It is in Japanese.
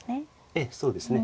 ええそうですね。